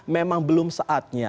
memang belum saatnya